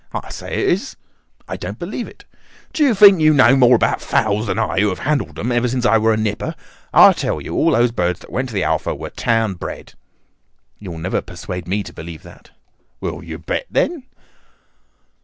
"I say it is." "I don't believe it." "D'you think you know more about fowls than I, who have handled them ever since I was a nipper? I tell you, all those birds that went to the Alpha were town bred." "You'll never persuade me to believe that." "Will you bet, then?"